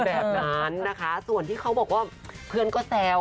แบบนั้นนะคะส่วนที่เขาบอกว่าเพื่อนก็แซว